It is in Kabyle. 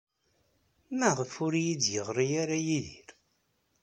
Maɣef ur iyi-d-yeɣri ara Yidir?